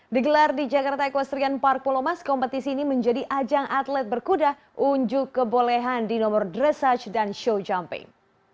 digelar di jakarta equastrian park pulau mas kompetisi ini menjadi ajang atlet berkuda unjuk kebolehan di nomor dressage dan show jumping